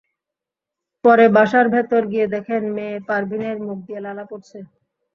পরে বাসার ভেতর গিয়ে দেখেন, মেয়ে পারভীনের মুখ দিয়ে লালা পড়ছে।